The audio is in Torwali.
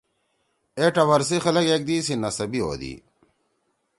اے ٹوَر سی خلگ ایک دیئی سی نسبی ہودی۔